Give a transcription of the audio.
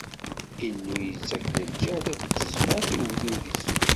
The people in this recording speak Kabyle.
Illu ittak-d lǧehd akked tezmert i ugdud-is.